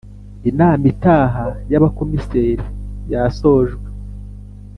inama itaha y Abakomiseri yasojwe